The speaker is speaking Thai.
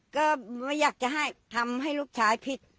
ก็ไม่อยากจะให้ทำให้ลูกชายผิด